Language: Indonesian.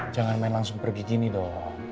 jangan main langsung pergi gini dong